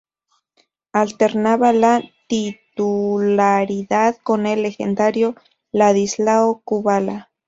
AlternaBa la titularidad con el legendario Ladislao Kubala.